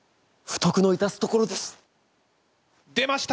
「不徳の致すところです」。